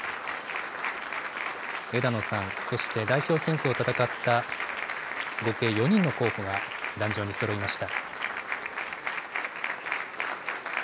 枝野さん、そして代表選挙を戦った、合計４人の候補が壇上にそろいました。